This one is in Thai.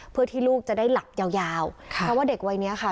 เพื่อที่ลูกจะได้หลับยาวยาวค่ะเพราะว่าเด็กวัยเนี้ยค่ะ